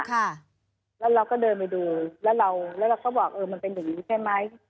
แล้วเราก็เดินไปดูแล้วเราแล้วเราก็บอกเออมันเป็นอย่างนี้ใช่ไหม